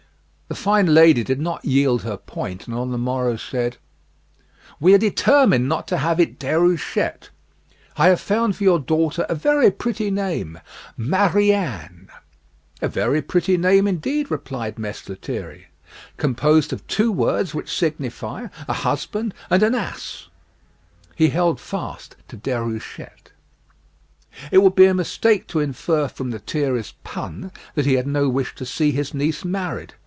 The fine lady did not yield her point, and on the morrow said, "We are determined not to have it Déruchette; I have found for your daughter a pretty name Marianne." "A very pretty name, indeed," replied Mess Lethierry, "composed of two words which signify a husband and an ass." He held fast to Déruchette. It would be a mistake to infer from Lethierry's pun that he had no wish to see his niece married.